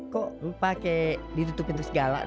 kok lupa kek ditutupin ke segala